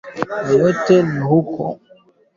Wakati wa kuzindua ilani yake Wajackoya alisema